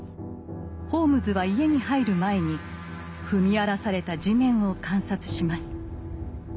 ホームズは家に入る前に踏み荒らされた地面を観察します。